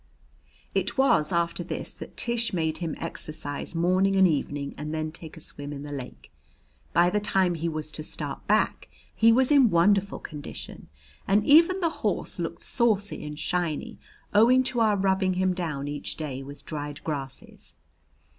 It was after this that Tish made him exercise morning and evening and then take a swim in the lake. By the time he was to start back, he was in wonderful condition, and even the horse looked saucy and shiny, owing to our rubbing him down each day with dried grasses.